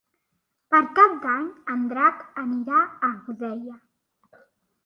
Per Cap d'Any en Drac anirà a Godella.